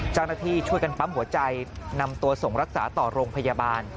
เจ้าหน้าที่ช่วยกันปั๊มหัวใจนำตัวส่งรักษาต่อโรงพยาบาล